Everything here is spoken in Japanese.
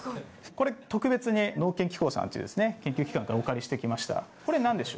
これ特別に農研機構さんという研究機関からお借りしてきました。